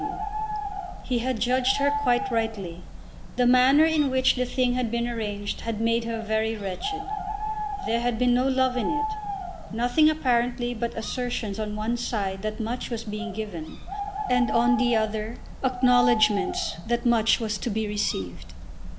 W. He had judged her quite rightly. The manner in which the thing had been arranged had made her very wretched. There had been no love in it; nothing apparently but assertions on one side that much was being given, and on the other acknowledgments that much was to be received.